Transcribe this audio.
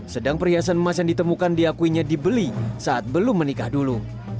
sedang perhiasan emas yang ditemukan diakuinya dibeli saat belum menikah dulu